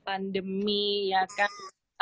pandemi ya kan